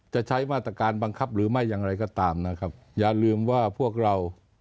จะใช้มาตรการบังคับหรือไม่อย่างไรก็ตามนะครับอย่าลืมว่าพวกเรา